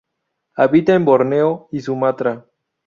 Habita en Borneo y Sumatra.